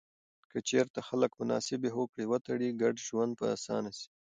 که چیرته خلک مناسبې هوکړې وتړي، ګډ ژوند به اسانه سي.